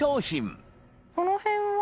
この辺は？